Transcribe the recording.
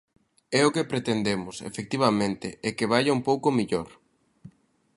E o que pretendemos, efectivamente, é que vaia un pouco mellor.